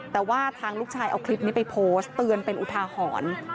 แต่ว่าทางลูกชายเอาคลิปนี้ไปโพสต์เตือนเป็นอุทาหรณ์